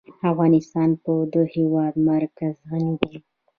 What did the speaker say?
افغانستان په د هېواد مرکز غني دی.